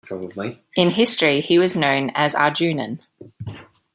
In history he was known as Arjunan.